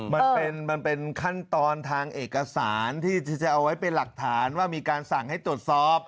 มันเป็นขั้นตอนทางเอกสารที่จะเอาไว้เป็นหลักฐานว่ามีการสั่งให้ตรวจสอบ